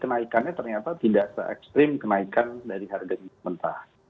kenaikannya ternyata tidak se ekstrim kenaikan dari harga minyak mentah